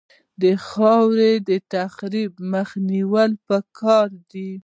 د خاورې تخریب مخنیوی پکار دی